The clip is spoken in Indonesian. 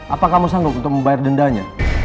apa kamu sanggup untuk membayar dendanya